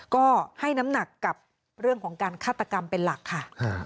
ก็ให้น้ำหนักกับเรื่องของการฆาตกรรมเป็นหลักค่ะ